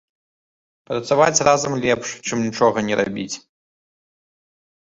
Працаваць разам лепш, чым нічога не рабіць.